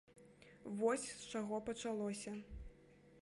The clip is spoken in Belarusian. Вось з чаго пачалося.